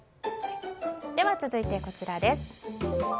では続いて、こちらです。